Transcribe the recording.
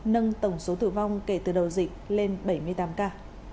nâng tổng số tử vong kể từ đầu dịch lên bảy mươi tám ca